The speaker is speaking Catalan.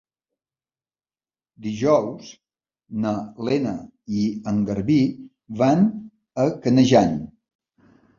Dijous na Lena i en Garbí van a Canejan.